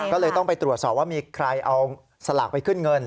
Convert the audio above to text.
ก็เลยต้องไปตรวจสอบว่ามีใครเอาสลากไปขึ้นเงิน